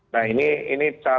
nah ini sangat penting